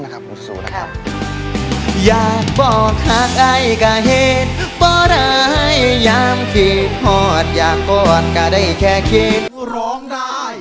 อยากบอกหากไอ้กาเหตุป่อหลายยามเข็ดหอดอยากกอดกาได้แค่คิด